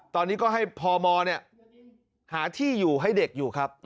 ตอนนี้ก็ให้พมหาที่อยู่ให้เด็กอยู่ครับ